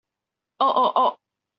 喔喔喔